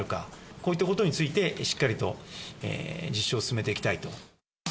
こういったことについて、しっかりと実証を進めていきたいと。